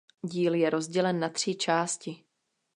Díl je rozdělen na tři části.